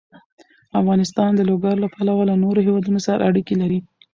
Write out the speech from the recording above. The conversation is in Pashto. افغانستان د لوگر له پلوه له نورو هېوادونو سره اړیکې لري.